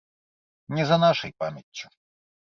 Не за нашай памяццю.